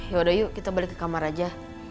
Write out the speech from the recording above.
yaudah yuk kita balik ke kamar aja